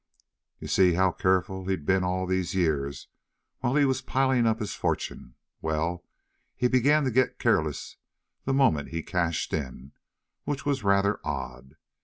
"You see how careful he'd been all those years while he was piling up his fortune? Well, he began to get careless the moment he cashed in, which was rather odd.